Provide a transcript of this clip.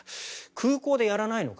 空港でやらないのか。